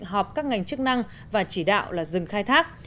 họp các ngành chức năng và chỉ đạo là dừng khai thác